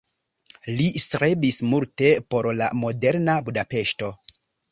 Li strebis multe por la moderna Budapeŝto.